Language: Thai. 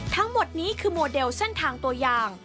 ทั้งหมดนี้คือโมเดลเส้นทางตัวอย่าง